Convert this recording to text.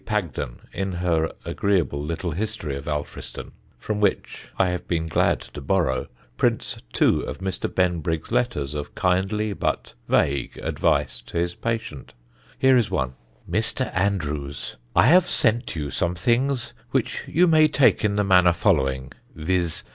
Pagden, in her agreeable little history of Alfriston, from which I have been glad to borrow, prints two of Mr. Benbrigg's letters of kindly but vague advice to his patient. Here is one: "MR. ANDREWS, "I have sent you some things which you may take in the manner following, viz.